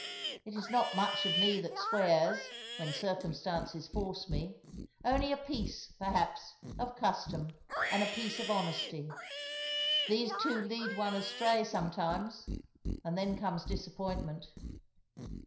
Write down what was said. It is not much of me that swears, when circumstances force me; only a piece, perhaps, of custom, and a piece of honesty. These two lead one astray sometimes; and then comes disappointment.